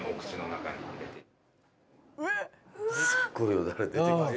すごいよだれ出てきた。